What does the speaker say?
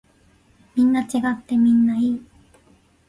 みんな違ってみんないい。